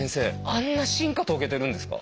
あんな進化遂げてるんですか？